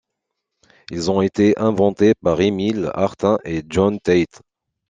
Ils ont été inventées par Emil Artin et John Tate.